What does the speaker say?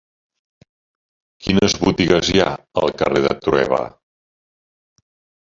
Quines botigues hi ha al carrer de Trueba?